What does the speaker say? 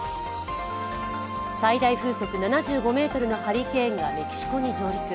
最大風速７５メートルのハリケーンがメキシコに上陸。